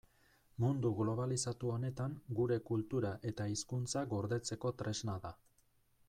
Mundu globalizatu honetan gure kultura eta hizkuntza gordetzeko tresna da.